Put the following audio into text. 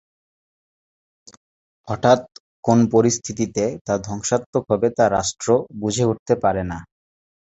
হঠাৎ কোন পরিস্থিতিতে তা ধ্বংসাত্মক হবে তা রাষ্ট্র বুঝে উঠতে পারেনা!